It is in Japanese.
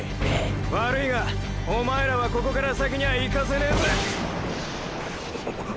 悪いがおまえらはここから先にゃいかせねェぜッ